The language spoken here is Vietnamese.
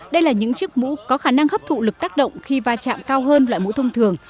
đây là những chiếc mũ có khả năng hấp thụ lực tác động khi va chạm cao hơn loại mũ thông thường